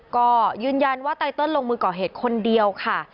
ก็ยืนยันว่าไตเติลลงมือก่อเหตุคนเดียวค่ะ